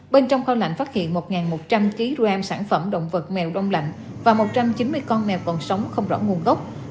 bên trong kho lạnh phát hiện một một trăm linh kg sản phẩm động vật mèo đông lạnh và một trăm chín mươi con mèo còn sống không rõ nguồn gốc